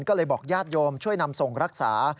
ก็เลยบอกญาติโยมช่วยนำส่งรักษา